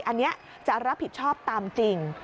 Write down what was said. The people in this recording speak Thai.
อันนี้จะรับผิดชอบตามจริง